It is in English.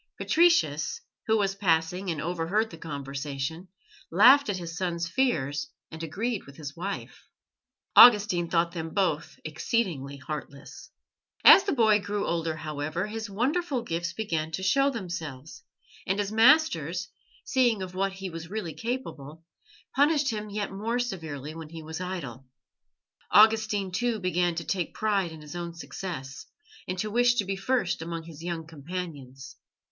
Patricius, who was passing and overheard the conversation, laughed at his son's fears and agreed with his wife. Augustine thought them both exceedingly heartless. As the boy grew older, however, his wonderful gifts began to show themselves, and his masters, seeing of what he was really capable, punished him yet more severely when he was idle. Augustine, too, began to take pride in his own success, and to wish to be first amongst his young companions.